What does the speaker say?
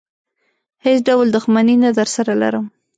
هېڅ ډول دښمني نه درسره لرم.